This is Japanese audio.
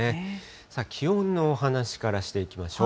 さあ、気温のお話からしていきましょう。